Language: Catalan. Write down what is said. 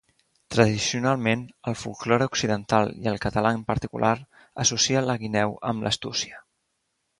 Tradicionalment, el folklore occidental i el català en particular, associa la guineu amb l'astúcia.